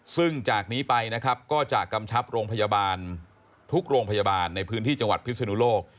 ซึ่งจากนี้ไปนะครับก็จะกำชับโรงพยาบาลทุกโรงพยาบาลในพื้นที่จังหวัดพิศนุโลก